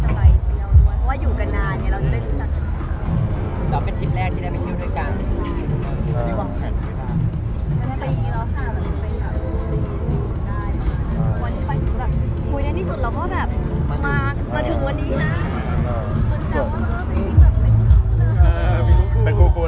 เพราะว่าอยู่กันนานไงเราจะได้รู้จักกันกัน